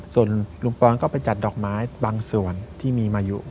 ส่วนลุงปอนก็ไปจัดดอกไม้บางส่วนที่มีมายุ